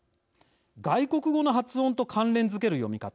外国語の発音と関連づける読み方。